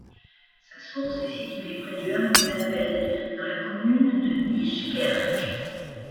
Sa source est située près du hameau d'Appel dans la commune de Nijkerk.